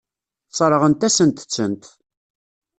Sseṛɣent-asent-tent.